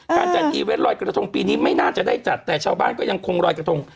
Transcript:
การจัดอีเวนต์รอยกระทงปีนี้ไม่น่าจะได้จัดแต่ชาวบ้านก็ยังคงลอยกระทง